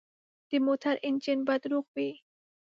د موټر انجن باید روغ وي.